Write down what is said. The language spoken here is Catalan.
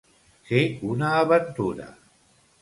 Ser una aventura.